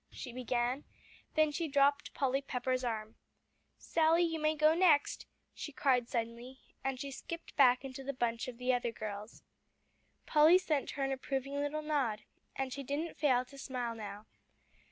she began, then she dropped Polly Pepper's arm. "Sally, you may go next," she cried suddenly, and she skipped back into the bunch of the other girls. Polly sent her an approving little nod, and she didn't fail to smile now.